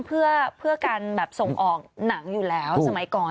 เพื่อการแบบส่งออกหนังอยู่แล้วสมัยก่อน